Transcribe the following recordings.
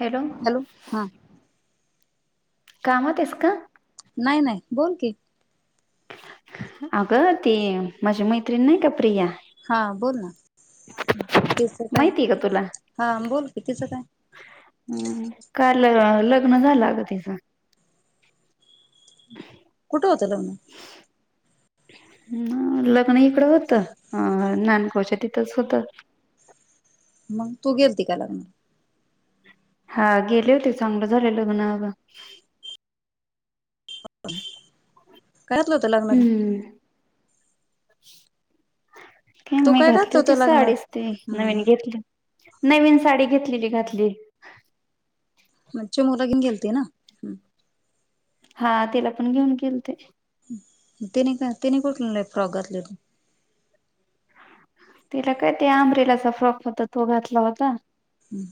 Hello कामात आहेस का? नाई नाई बोल की, अगं ते माझी मैत्रिणी नाही का प्रिया हा बोल ना तीच काय? माहितीय का तुला हा बोल की तीचं काय? हम् काल लग्न झालं अग तिज कुठं होत लग्न? [unintelligible] अ लग्न इकडं होतं अ नानगांवच्या तिथंच होत. मंग तू गेलती का लग्नाला? हा गेले होते चांगलं झाले लग्न अग [unintelligible] काय घातलं होतं लग्नान हम्म [unintelligible] तू मी काय घातली घातलं होती होतं लग्नात साडीच ती नवीन हम्म घेतली नवीन साडी घेत लेली घातली. म चिमूला घेऊन गेलती ना. हा तिला पण घेऊन गेलते. म तिने का तिने कुठलं फ्रॉक घातले होते. तिला काय ते आंब्रिलाचा फ्रॉक होता तो घातला होता. हम्म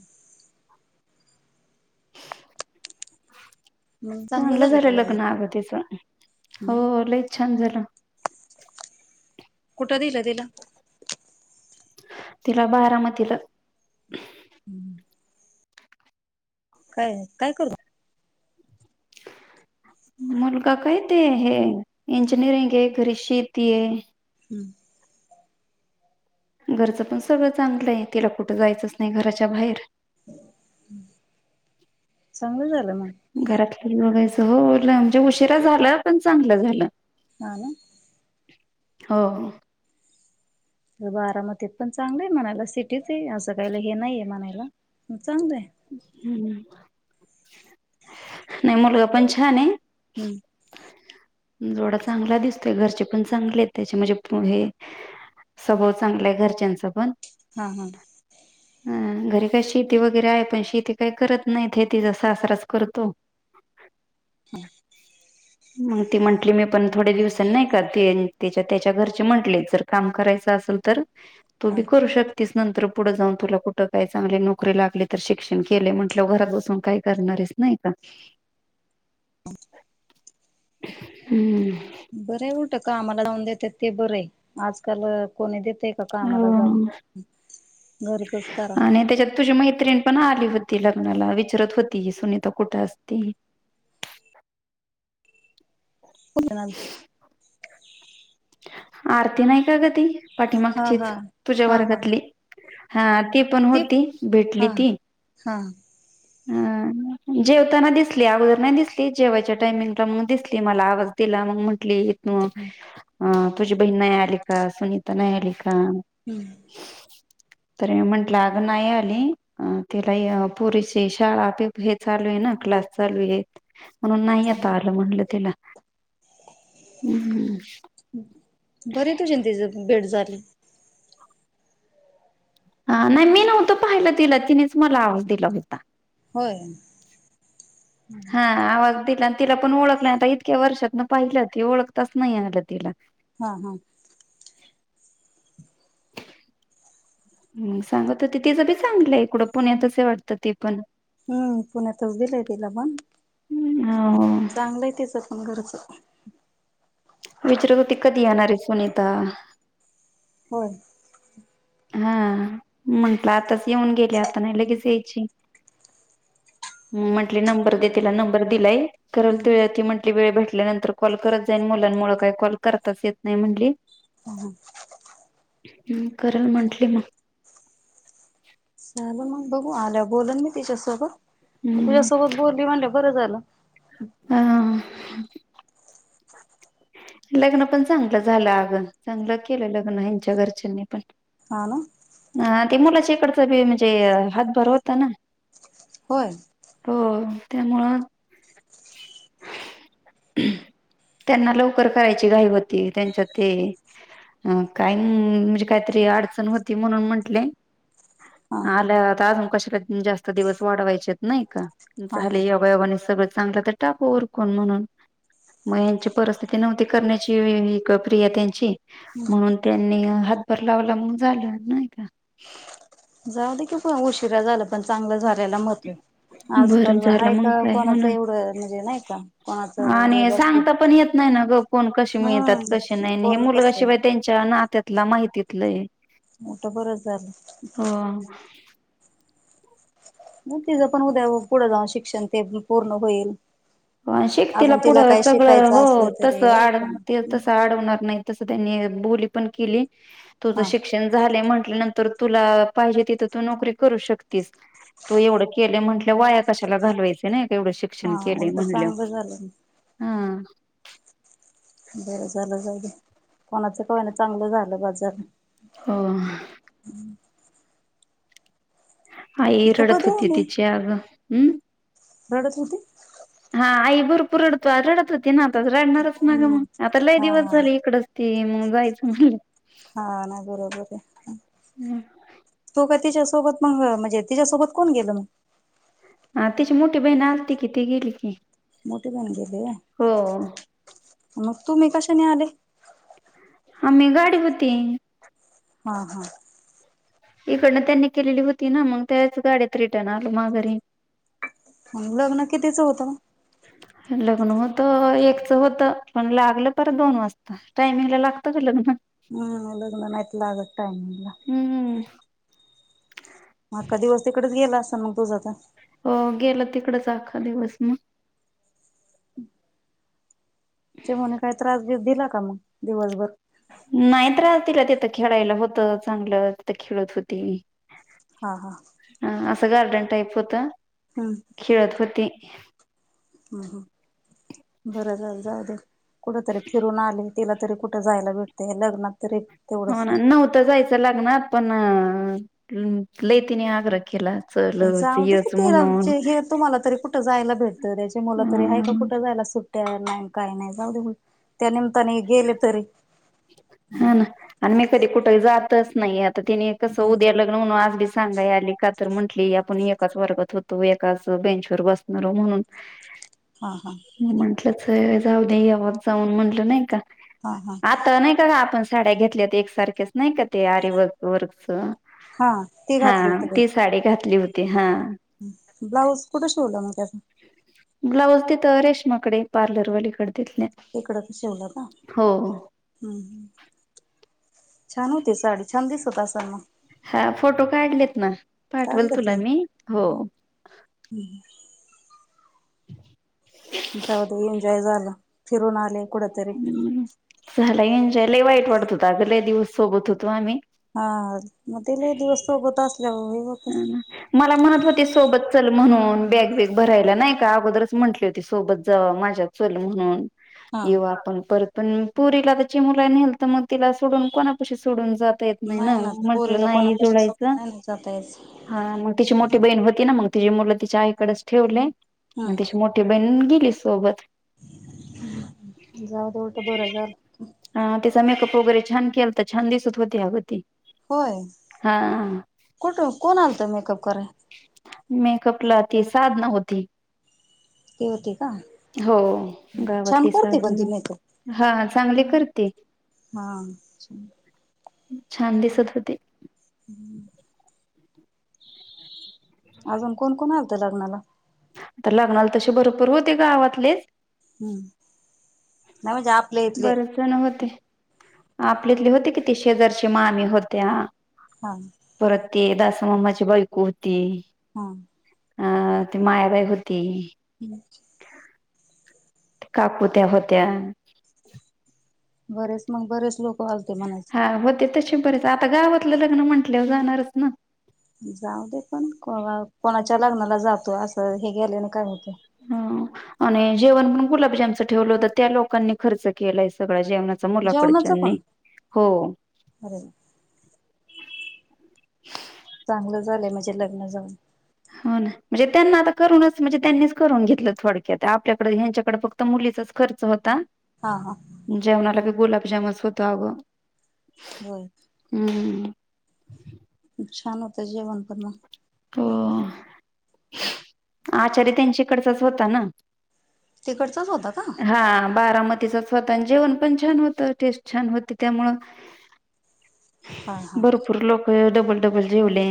[inaudible] चांगलं झालं लग्न अग तिच हो हम्म लई छान झालं. कुठं दिलं तिला तिला बारामतीला. हम्म काय काय करू मुलगा काय ते हे इंजिनिअरिंग ये घरी शेती ये. हम्म घरचं पण सगळं चांगलंय तिला कुठं जायचंच नाही घराच्या बाहेर [unintelligible] चांगलं झालं मंग. घरातलं बघायचं हो लांब म्हणजे उशिरा झाल पण चांगलं झालं. हा ना. हो. बारामतीत पण चांगलं आहे. म्हणायला सिटीच आहे असं काहीयला हे नाहीये म्हणायला चांगले. हम्म. नाही मुलगा पण छान आहे. हम्म जोडा चांगला दिसतोय घरचे पण चांगले त्याचे म्हणजे हे स्वभाव चांगलं आहे. घरच्यांच पण हा हा. अ घरी काय शेती वगैरे आहे. पण शेती काही करत नाहीेतीचा सासराच करतो [inaudible] मग ती म्हंटली मी पण थोडे दिवसांनी नाही. का त्याच्या घरचे म्हटले जर काम करायचं असेल तर तो हा बी करू शकता तीच नंतर पुढे जाऊन तुला कुठं काय चांगले नोकरी लागली तर शिक्षण केले म्हटलं घरात बसून काय करणार. च नाही का [inaudible] हम्म. आम्हाला जा देतात ते बरं आहे. आजकाल कोणी द हो घरचच करा. आणि त्याच्यात तुझ्या मैत्रिण पण होती लग्नाला विचारत होती सुनीता कुठं असती [unintelligible] आरती नाही का गं ती हा पाठीमागचीच हा तुझ्या हा हा वर्गातली हा ती पण ते होती हा भेटली ती हा हम्. जेवताना दिसली अगोदर नाही दिसली जेवायच्या टाइमिंगला मग दिसली मला आवाज दिला मग म्हंटली अ तुझी बहीण नाही आली का सुनीता नाही आली का हा. तर मी म्हंटलं अगं नाही आली तिला पुरी शाळा आ पे हे चालू आहे ना क्लास चालू आहे म्हणून नाही. आता आलं म्हणलं तिला हम्म. बरं तुझी आणि तिची भेट झाली. हा नाही. मी नव्हतं पाहिलं तिला तिनेच मला आवाज दिला होता. होय. हा आवाज दि तिला पण ओळख नाही. आता इतक्या वर्षातनं पाहिलं ते ओळताच नाही आलं तिला हा हा. [unintelligible] सांगत होते. तिचं बी चांगलंय इकडं पुण्यातच आहे वाटतं ती पण हम्म पुण्यातच दिलंय तिला पण हो चांगलंय तिचंपण घरचं. विचारत होती कधी येणारे आहे सुनीता हो. हा म्हंटलं आत्ताच येऊन गेले आता नाही लगेच या म्हटले नंबर दे तिला नंबर दिलाय करल हम्म ती म्हटली वेळ भेटल्यानंतर कॉल करत जाईन मुलांमुळे काय कॉल करताच येत नाही म्हटली हम. हम् करल म्हंटली मग. चालेल मग बघू आल्यावर बोलन मी तिच्यासोबत तुझ्या सोबत बोलली म्हणल्यावर बरं झालं. हम्म लग्न पण चांगलं झालं अगं चांगलं केलं लग्न हेंच्या घरच्यांनी पण हा ना अ ते मुलाच्याकडचा पण म्हणजे हातभर होता ना होय हो. त्यामुळे त्यांना लोक लवकर करायची घाई होती त्यांच्यात ते अ काय म्हणजे काहीतरी अडचण होती म्हणून म्हंटले हा आल्यात अजून कशाला जास्त दिवस वाढवायचेत नाही का? हा हा. झाले योगायोगाने सगळं चांगलं तर टाकू उरकून म्हणून मग यांची परिस्थिती नव्हती करण्याची प्रिया त्यांची म्हणून त्यांनी हातभर लावला मग झालं नाही का? जाऊ दे की पण उशिरा झाला पण चांगलं झाल्याला महत्व आहे. बरं आजकाल झालं आहे मग का काय हो कोणाचं ना. एवढं म्हणजे नाही का कोणाचं व्यवस्थित हो ना गं कोण कसे मिळतात कसे हम्म नाही हे कोण मुलगा कसं शिवाय त्यांच्या नात्यातला माहितीतला आहे. मग तर बरं झालं. हो मग तिचं पण उद्या पुढं जाऊन शिक्षण ते पूर्ण होईल. शिकवतिल तिला अजून पुढं काय सगळं हो शिकायचं असलं तरी तसं आहे आड का ते नाही. तसं अडवणार नाही. तसं त्यांनी बोली पण केली तुझं हा शिक्षण झालंय म्हटल्यानंतर तुला पाहिजे तिथं तु नोकरी करू शकतेस. तु एवढं केले म्हटलं वाया कशाला घालवायचं नाही का एवढं शिक्षण केलं हा उलट चांगलं झालं म हा. बरं झालं जाऊ द्या कोणाच का होईना चांगलं झालं बाज झालं होय आई तू रडत कधी होती आली तिची अग हम्म. रडत होती. हा आई भरपूर रडतो आ रडत होती ना आताच रडणारच ना ग हम्म मग आता लय हा दिवस हा झाले इकडचं ते मग जायचं म्हण हा ना बरोबर आहे तु का तिच्याच सोबत मग म्हणजे तिच्यासोबत कोण गेलं मग? हा तिची मोठी बहीण आलती कि ती गेली की. मोठे बहीण गेली हो होय मग तुम्ही कशाने आले? आम्ही गाडी होती. हा हा. इकडनं त्यांनी केलेली होती ना मग त्याच गाड्यात रिटर्न आलो माघरी. मग लग्न कितीच होत? लग्न होत एकच होत पण लागलं परत दोन वाजता टायमिंगला लागतं का लग्न? हम्म लग्न नाही लागतं टायमिंगला हम्म मग अखा का दिवस तिकडेच गेला असं मग तुझा हो गेलं तिकडंच आखा दिवस मग चिमुनी काही त्रास बिस दिला का मग दिवसभर नाही ञास दिला तिथं खेळायला होत चांगलं तिथं खेळत होती. हा हा. असं गार्डन टाईप होत हम्म खेळत होती. हम्म बरं झालं जाऊ दे कुठतरी फिरून आले. तिला तरी कुठं जायला भेटतं लग्नात तरी हो तेवढंच ना नव्हत जायचं लग्नात पण लई तीने आग्रह केला. चल पण जाऊ दे की यच ते म्हणून हे तुम्हाला तरी कुठं कुठं जायला भेटतं त्याची मुला तरी आहे का कुठं जायला सुट्टया नाही काय नाही जाऊ दे त्या निमित्ताने गेले तरी हा ना आणि मी कधी कुठे जातच नाही आता तिने कसं उद्या लग्न म्हणून आज बी सांगायला आली का तर म्हंटली आपण एकाच वर्गात होतो एकाच बेंचवर बसणारो म्हणून हा हा. जाऊ दे यावत जाऊन म्हटलं नाही का? हा हा आता नाही कात आपण साड्या घेतल्यात एकसारख्याच नाही का ते आरीवर्क-वर्कचं. हा ती घातली हां, होती ती साडी घातली होती. हां. ब्लाऊज कुटे शिवलं म त्याचं? ब्लाऊज तिथं रेश्माकडे, पार्लरवालीकडे तिथल्या. हो. हम्-हम्, छान होती साडी. छान दिसत असाल म? हां फोटो काढलेत ना. पाठवल तुला मी. हो. हम्-हम् [inaudible] जाऊ दे एन्जॉय जालं, फिरून आले. कुठतरी हम्म झाला एनजॉय, लय वाईट वाटत होतं. अगं लय दिवस सोबत होतो आम्ही. हा म ते लई दिवस सोबत अस ह मला म्हणत होते सोबत. चल म्हणून बॅग-बीग भरायला नाही का. अगोदरच म्हटली होती. सोबत जाव माझ्या चल म्हणून. हा येऊ आपण परतून. पुरीला त्या चिमुला नेहलत तर मग तिला सोडून कोणापशी सोडून जात. येत नाही ना म्हटलं पोरीला कोणा नाही कशी जुळायचं. सोबत नाही ना जाता यायचं हा मग तिची मोठी बहीण होती ना. मग तिची मुलं तिच्या आईकडेच ठेवले. मग हम्म त्याशी मोठी बहीण गेली सोबत. जाऊ दे उलटं बरं झालं. हा तिचा मेकअप वगैरे छान केलता. तर छान दिसत होते अग ती. होय हा कुठ कोण आलत मेकअप कराय? मेकअपला ती साधना होती. ती होती का? हो छान गावातली करते पण ती साधन मेकअप. हा. चांगले करते. हा. छान दिसत होते. हम्म. अजून कोण-कोण आलत लग्नाला? लग्नाला तसे भरपूर होते गावातलेच. हम्म. नाही म्हणजे आपल्या इथले बरेच जण होते. आपल्यातले होते किती शेजारची मामी होत्या हां. परत ते दासा मम्माची बायको होती. हम. अ ती मायाबाई होती. अच्छा. काकुत्या होत्या. बरेच मग बरेच लोक आलते म्हणायचे. हा होते तसे बरच आता गावातलं लग्न म्हंटल्यावर जाणारच ना. लग्ना जातो अस. हे गेल्यान काय होतय. हा. आणि जेवण पण गुलाबजामचं ठेवलं होत. त्या लोकांनी खर्च केलाय सगळ जेवणा चा जेवणाच मुलाकडच्यांनी पण हो. अरे चांगलं झालंय म्हणजे लग्न जाऊन. हो ना. म्हणजे त्यांना आता करूनच. म्हणजे त्यांनीच करून घेतलं थोडक्या आपल्याकडे ह्यांच्याकडे फक्त मुली. चाच खर्च होता. हा हा जेवणाला बी गुलाबजाम होतो अग. होय. हम्म. छान होत जेवण पण मग. हो आचारी त्यांच्याकडचाच होता ना. तिकडचाच होता का? तिचं स्वतः जेवण पण छान होत. टेस्ट छान होते त्यामुळ. हा हा भरपूर लोक डबल डबल जेवले.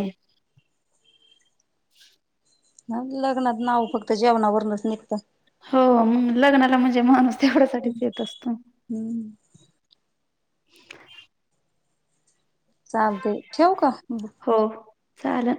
[unintelligible] ह लग्नात नाव फक्त जेवणावरूनच निघत. हो लग्नाला म्हणजे माणूस तेवढ्यासाठीच येत असत. [inaudible] हम्म चालते ठेव का. चाला.